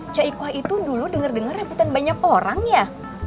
cek ikhoa itu dulu denger denger rebutan banyak orang ya